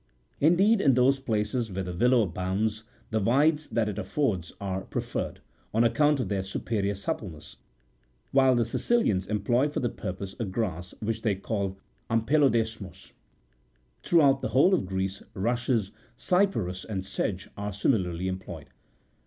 Indeed, in those places where the willow abounds, the withes that it affords are pre ferred, on account of their superior suppleness, while the Sici lians employ for the purpose a grass, which they call " ampelo desmos :"64 throughout the whole of Greece, rushes, cyperus, and sedge65 are similarly employed.